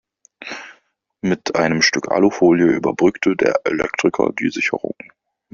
Mit einem Stück Alufolie überbrückte der Elektriker die Sicherung.